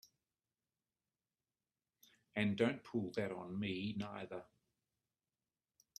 And don't pull that on me neither!